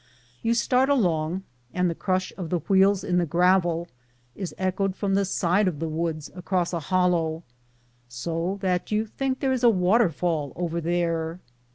You start along, and the crush of the wheels in the gravel is echoed from the side of the woods across a hollow, so that you think there is a water fall over there.